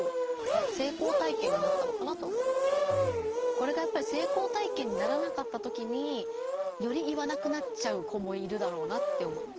これがやっぱり成功体験にならなかったときにより言わなくなっちゃう子もいるだろうなって思います。